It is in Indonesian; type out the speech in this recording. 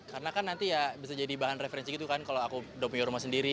karena kan nanti ya bisa jadi bahan referensi gitu kan kalau aku dombi rumah sendiri